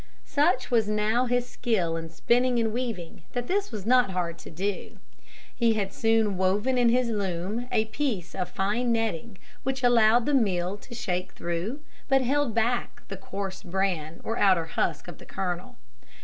Such was now his skill in spinning and weaving that this was not hard to do. He had soon woven in his loom a piece of fine netting which allowed the meal to shake through, but held back the coarse bran or outer husk of the kernel.